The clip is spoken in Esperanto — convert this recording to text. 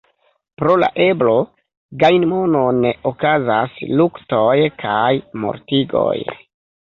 Pro la eblo gajni monon okazas luktoj kaj mortigoj.